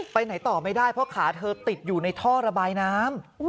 ไปไหนต่อไม่ได้เพราะขาเธอติดอยู่ในท่อระบายน้ำ